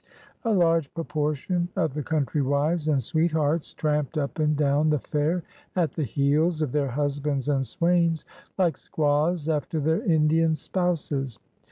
A large proportion of the country wives and sweethearts tramped up and down the fair at the heels of their husbands and swains, like squaws after their Indian spouses.